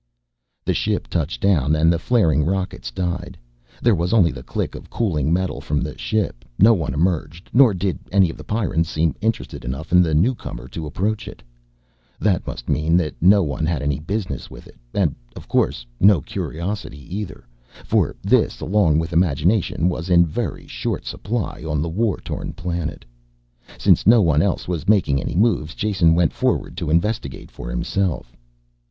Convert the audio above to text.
The ship touched down and the flaring rockets died. There was only the click of cooling metal from the ship: no one emerged, nor did any of the Pyrrans seem interested enough in the newcomer to approach it. That must mean that no one had any business with it, and, of course, no curiosity either, for this along with imagination was in very short supply on the war torn planet. Since no one else was making any moves, Jason went forward to investigate for himself.